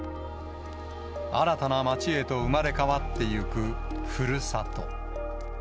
新たな町へと生まれ変わっていくふるさと。